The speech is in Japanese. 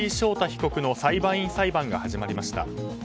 被告の裁判員裁判が始まりました。